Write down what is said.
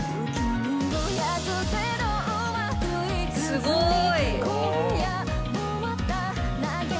すごい。